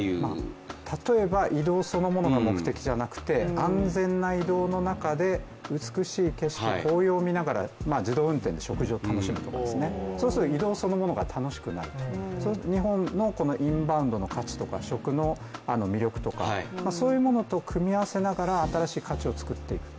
例えば移動そのものが目的じゃなくて、安全な移動の中で美しい景色、紅葉を見ながら食事をしながら、そうすると移動そのものが楽しくなる、日本のインバウンドの価値とか食の魅力、そういうものと組み合わせながら新しい価値を作っていく。